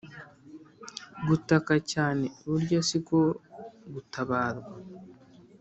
Gutaka cyane burya siko gutabarwa